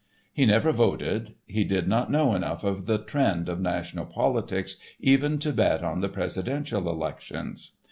He never voted. He did not know enough of the trend of national politics even to bet on the presidential elections.